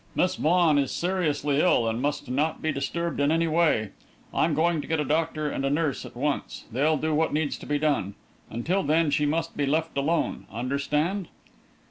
Miss Vaughan is seriously ill and must not be disturbed in any way. I'm going to get a doctor and a nurse at once; they'll do what needs to be done. Until then, she must be left alone. Understand?"